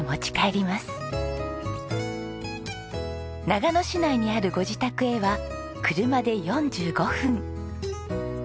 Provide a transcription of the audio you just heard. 長野市内にあるご自宅へは車で４５分。